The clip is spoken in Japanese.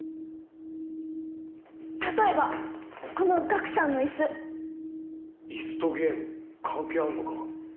例えばこのガクさんのイスイスとゲーム関係あんのか？